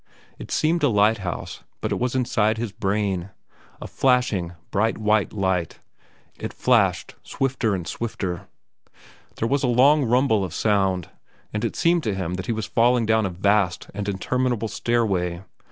It seemed a lighthouse; but it was inside his brain—a flashing, bright white light. It flashed swifter and swifter. There was a long rumble of sound, and it seemed to him that he was falling down a vast and interminable stairway.